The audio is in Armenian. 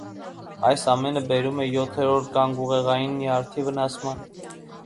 Այս ամենը բերում է յոթերորդ գանգուղեղային նյարդի վնասման։